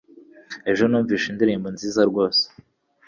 Ejo numvise indirimbo nziza rwose.